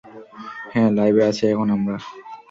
হ্যাঁ, লাইভে আছি এখন আমরা!